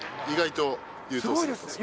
意外と優等生です。